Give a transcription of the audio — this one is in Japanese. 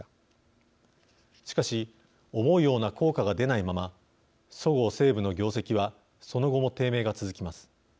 しかし思うような効果が出ないままそごう・西武の業績はその後も低迷が続きます。